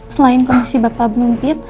selain kondisi bapak belum pit